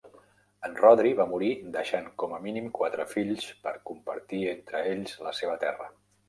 En Rhodri va morir deixant com a mínim quatre fills per compartir entre ells la seva terra.